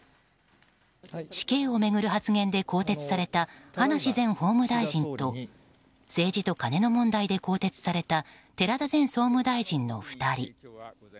死刑を巡る発言で更迭された葉梨前法務大臣と政治とカネの問題で更迭された寺田前総務大臣の２人。